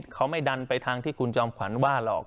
เขาไม่ดันไปทางที่คุณจอมขวัญว่าหรอก